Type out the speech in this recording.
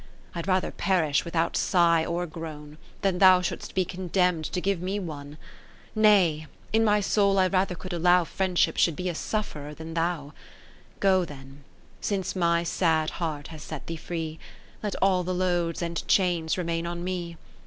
I'd rather perish without sigh or groan, Than thou shouldst be condemn'd to give me one ; Nay, in my soul I rather could allow Friendship should be a sufferer, than thou : Go then, since my sad heart has set thee free, Let all the loads and chains remain on me.